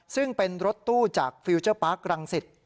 ซึ่งเป็นรถตู้จากฟิลเจอร์ปาร์ครังสิต